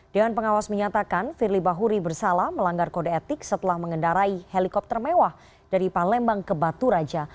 dewan pengawas menyatakan firly bahuri bersalah melanggar kode etik setelah mengendarai helikopter mewah dari palembang ke batu raja